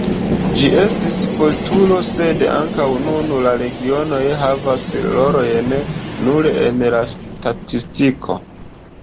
Ĝi estis postulo, sed ankaŭ nun la regionoj havas rolojn nur en la statistiko.